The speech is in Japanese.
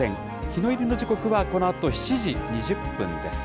日の入りの時刻はこのあと７時２０分です。